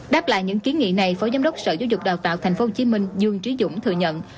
đáp lại những kiến nghị này phó giám đốc sở giáo dục đào tạo tp hcm dương trí dũng thừa nhận